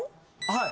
はい。